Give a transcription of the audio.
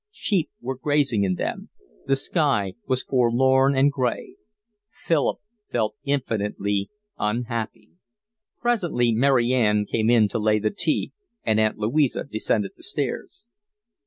Sheep were grazing in them. The sky was forlorn and gray. Philip felt infinitely unhappy. Presently Mary Ann came in to lay the tea, and Aunt Louisa descended the stairs.